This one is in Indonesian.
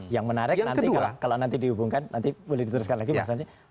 yang menarik nanti kalau nanti dihubungkan nanti boleh diteruskan lagi mas anjing